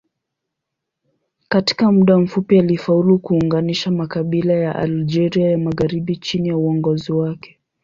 Katika muda mfupi alifaulu kuunganisha makabila ya Algeria ya magharibi chini ya uongozi wake.